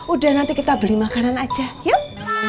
udah nanti kita beli makanan aja yuk